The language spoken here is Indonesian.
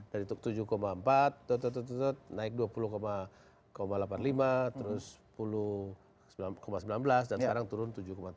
dari tujuh empat naik dua puluh delapan puluh lima terus sepuluh sembilan belas dan sekarang turun tujuh tiga puluh